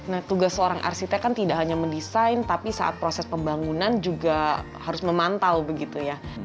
nah tugas seorang arsitek kan tidak hanya mendesain tapi saat proses pembangunan juga harus memantau begitu ya